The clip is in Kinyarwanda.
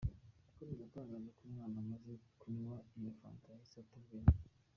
Yakomeje atangaza ko umwana amaze kunywa iyo fanta yahise ata ubwenge.